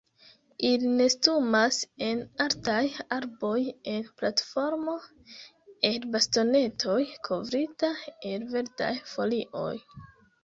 Ili nestumas en altaj arboj en platformo el bastonetoj kovrita el verdaj folioj.